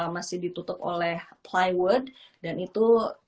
masih ditutup oleh plywood dan itu